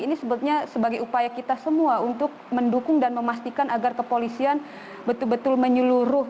ini sebetulnya sebagai upaya kita semua untuk mendukung dan memastikan agar kepolisian betul betul menyeluruh